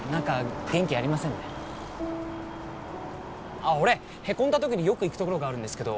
あっ俺へこんだ時によく行く所があるんですけど。